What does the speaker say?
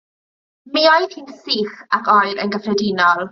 Mi oedd hi'n sych ac oer yn gyffredinol.